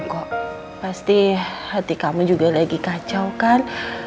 kok pasti hati kamu juga lagi kacau kan